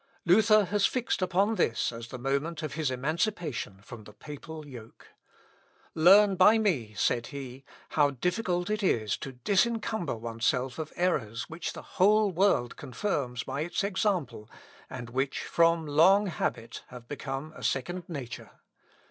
Luther has fixed upon this as the moment of his emancipation from the papal yoke "Learn by me," said he, "how difficult it is to disencumber oneself of errors which the whole world confirms by its example, and which, from long habit, have become a second nature.